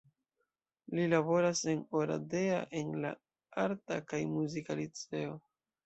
Li laboras en Oradea en la Arta kaj Muzika Liceo.